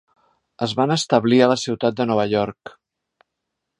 Es van establir a la ciutat de Nova York.